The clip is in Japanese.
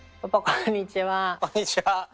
こんにちは。